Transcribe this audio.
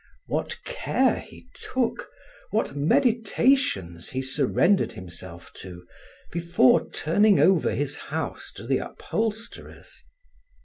What care he took, what meditations he surrendered himself to, before turning over his house to the upholsterers!